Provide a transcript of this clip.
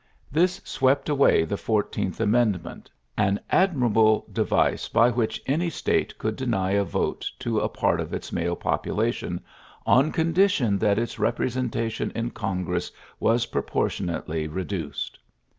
This swept ay the Fourteenth Amendment, an mirable device by which any State old deny a vote to a part of its male pulation on condition that its represen ion in Congress was proportionately re ced.